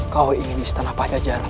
kau ingin istana pajajaran